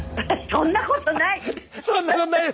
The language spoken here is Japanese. そんなことないです。